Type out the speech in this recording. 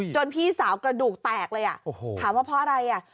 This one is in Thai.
จนพี่สาวกระดูกแตกเลยอะถามว่าเพราะอะไรอะ